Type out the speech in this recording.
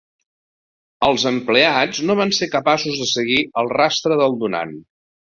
Els empleats no van ser capaços de seguir el rastre del donant.